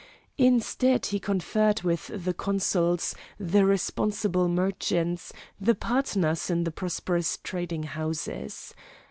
Instead he conferred with the consuls, the responsible merchants, the partners in the prosperous trading houses.